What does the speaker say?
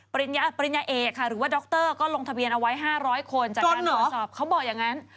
ปริญญาปริญญาเอกค่ะหรือว่าด็อกเตอร์ก็ลงทะเบียนเอาไว้ห้าร้อยคนจากการตรวจสอบเขาบอกอย่างงั้น